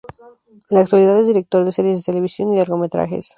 En la actualidad es director de series de televisión y largometrajes.